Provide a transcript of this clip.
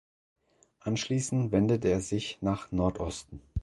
Anschließend wendet er sich nach Nordosten.